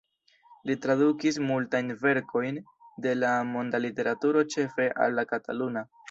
Li tradukis multajn verkojn de la monda literaturo ĉefe al la kataluna.